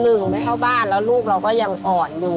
หนูไม่เข้าบ้านแล้วลูกเราก็ยังอ่อนอยู่